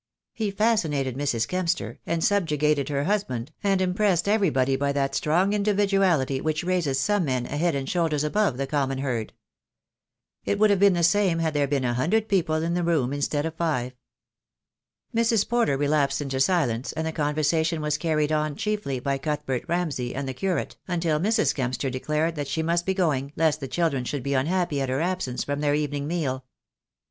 He fascinated Mrs. Kempster, and subjugated her husband, and impressed everybody by that strong individuality which raises some men a head and shoulders above the common herd. It would have 126 THE DAY WILL COME. been the same had there been a hundred people in the room instead of five. Mrs. Porter relapsed into silence, and the conversation was carried on chiefly by Cuthbert Ramsay and the Curate, until Mrs. Kempster declared that she must be going, lest the children should be unhappy at her absence from their evening meal.